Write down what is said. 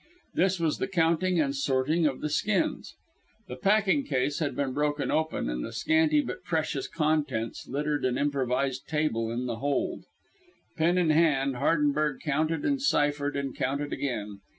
This was the counting and sorting of the skins. The packing case had been broken open, and the scanty but precious contents littered an improvised table in the hold. Pen in hand, Hardenberg counted and ciphered and counted again.